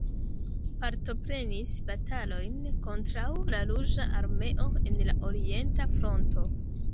Partoprenis batalojn kontraŭ la Ruĝa Armeo en la orienta fronto.